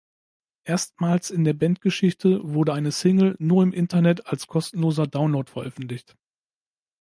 Erstmals in der Bandgeschichte wurde eine Single nur im Internet als kostenloser Download veröffentlicht.